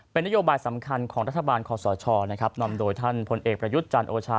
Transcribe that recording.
เป็นนโยบายสำคัญของรัฐบาลคอสชนะครับนำโดยท่านพลเอกประยุทธ์จันทร์โอชา